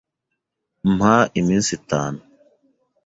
Mpa iminsi itanu.